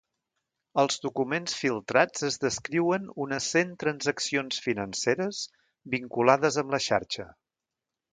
Als documents filtrats es descriuen unes cent transaccions financeres vinculades amb la xarxa.